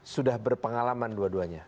sudah berpengalaman dua duanya